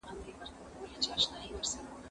هغه څوک چي مېوې وچوي قوي وي؟